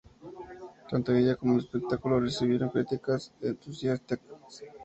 Tanto ella como el espectáculo recibieron críticas entusiastas.